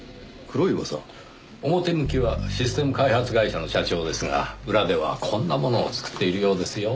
表向きはシステム開発会社の社長ですが裏ではこんなものを作っているようですよ。